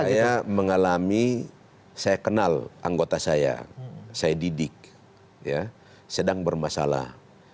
saya mengalami saya kenal anggota saya saya didik sedang bermasalah